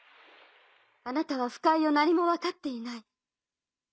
あなたは腐海を何も分かっていない。